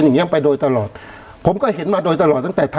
อย่างเงี้ไปโดยตลอดผมก็เห็นมาโดยตลอดตั้งแต่